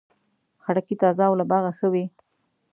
خټکی تازه او له باغه ښه وي.